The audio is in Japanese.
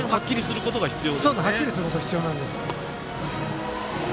はっきりすることが必要なんです。